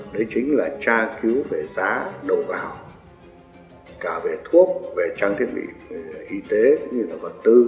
đấy chính là tra cứu về giá đầu vào cả về thuốc về trang thiết bị y tế cũng như là vật tư